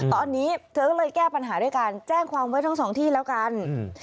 ตอนนี้เธอก็เลยแก้ปัญหาด้วยการแจ้งความไว้ทั้งสองที่แล้วกันอืม